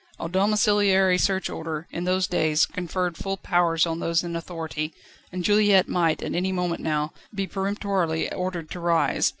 A domicillary search order, in those days, conferred full powers on those in authority, and Juliette might at any moment now be peremptorily ordered to rise.